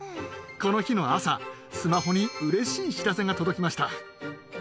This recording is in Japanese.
この日の朝、スマホにうれしい知らせが届きました。